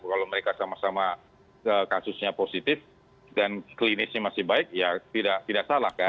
kalau mereka sama sama kasusnya positif dan klinisnya masih baik ya tidak salah kan